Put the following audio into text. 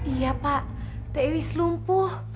iya pak teh iis lumpuh